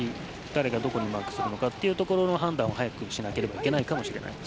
誰がどこにマークするのかその判断を早くしなければいけないかもしれません。